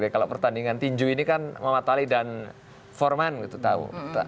kalau pertandingan tinju ini kan mama tali dan forman gitu tahu